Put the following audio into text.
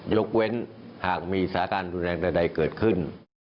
ยกเว้นหากมีสถานการณ์รุนแรงใดเกิดขึ้น